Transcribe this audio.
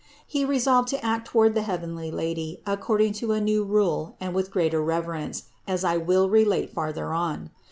He resolved to act toward the heavenly Lady according to a new rule and with much greater reverence, as I will relate farther on.